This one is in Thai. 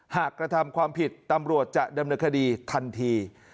กระทำความผิดตำรวจจะดำเนินคดีทันที